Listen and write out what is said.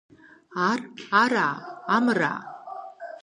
Ар ара, амыра?